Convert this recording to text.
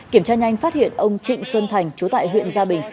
kiểm tra nhanh phát hiện ông trịnh xuân thành chú tại huyện gia bình